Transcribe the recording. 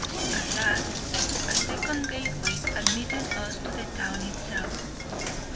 At last, a second gateway admitted us to the town itself.